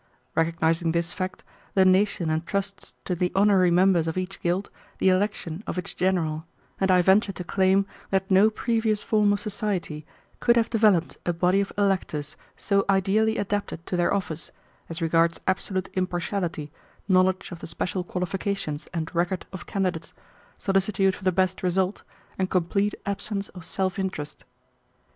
Recognizing this fact, the nation entrusts to the honorary members of each guild the election of its general, and I venture to claim that no previous form of society could have developed a body of electors so ideally adapted to their office, as regards absolute impartiality, knowledge of the special qualifications and record of candidates, solicitude for the best result, and complete absence of self interest.